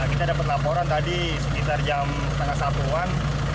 kita dapet laporan tadi sekitar jam setengah satuan